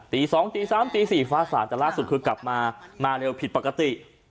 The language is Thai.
ที๒ที๓ตี๔ฟ้าสต๊านจะล่าสุดคือกลับมามาเวลาผิดปกติ